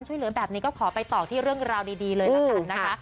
ช่วยเหลือแบบนี้ก็ขอไปต่อที่เรื่องราวดีเลยละกันนะคะ